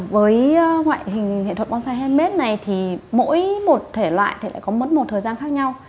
với ngoại hình hệ thuật bonsai handmade này thì mỗi một thể loại thì lại có mất một thời gian khác nhau